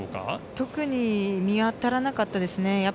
特に見当たらなかったですね。